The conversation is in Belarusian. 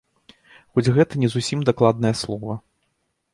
Хоць гэта не зусім дакладнае слова.